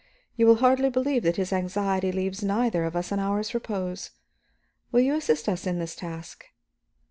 You will hardly believe that his anxiety leaves neither of us an hour's repose. Will you assist us in this task?"